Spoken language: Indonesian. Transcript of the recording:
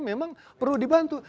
memang perlu dibantu